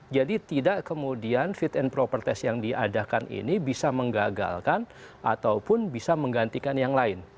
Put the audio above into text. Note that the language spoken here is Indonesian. jadi tidak kemudian fit and proper test yang diadakan ini bisa menggagalkan ataupun bisa menggantikan yang lain